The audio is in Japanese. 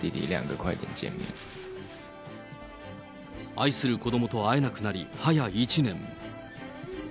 愛する子どもと会えなくなり、早１年。